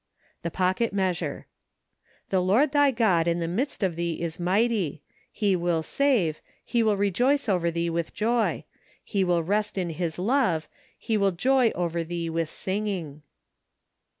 The Pocket Measure. " The Lord thy God in the 'midst of thee is mighty; he will save, he will rejoice over thee icith joy; he will rest in his love , he will joy over thee icith singing